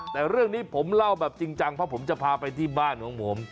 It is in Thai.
แต่เรื่องนี้ผมเล่าแบบจริงจังเพราะผมจะพาไปที่บ้านของผม